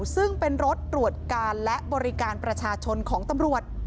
ซึ่งเป็นรถตรวจการและบริการประชาชนของตำรวจ